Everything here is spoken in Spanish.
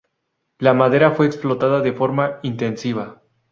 La madera fue explotada de forma intensiva.